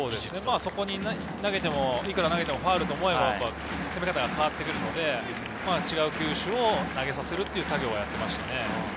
そこに投げてもファウルと思えば攻め方も変わってくるので、違う球種を投げさせるという作業をしていましたね。